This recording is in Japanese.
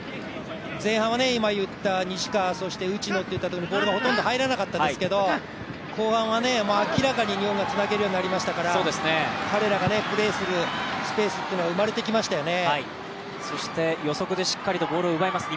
前半は西川、内野にほとんどボールが入らなかったですけど、後半は明らかに日本がつなげるようになりましたから、彼らがプレーするスペースというのは生まれてきましたよね。